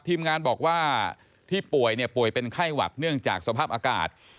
ทีมงานบอกว่าที่ป่วยเนี่ยป่วยเป็นไข้หวัดเนื่องจากสภาพอากาศ